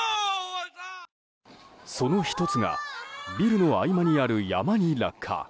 その１つがビルの合間にある山に落下。